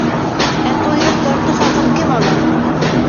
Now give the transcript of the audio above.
Ә туйҙың ярты хаҡын кем ала?